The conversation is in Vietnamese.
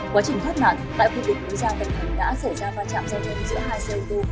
quá trình thoát nạn tại khu vực đối giao tầng hầm đã xảy ra va chạm giao thông giữa hai xe ô tô